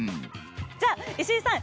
じゃ石井さん